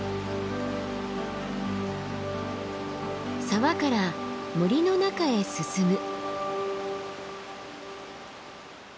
沢から森の中へ進む。